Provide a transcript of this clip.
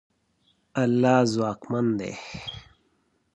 الله ځواکمن دی.